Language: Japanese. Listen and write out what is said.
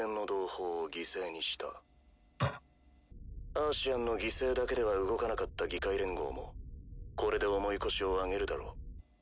アーシアンの犠牲だけでは動かなかった議会連合もこれで重い腰を上げるだろう。